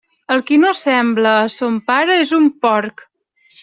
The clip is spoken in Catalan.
El qui no sembla a son pare és un porc.